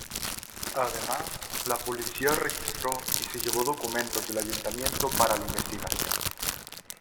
Además, la policía registró y se llevó documentos del ayuntamiento para la investigación.